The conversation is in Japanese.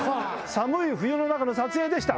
寒い冬の中の撮影でした。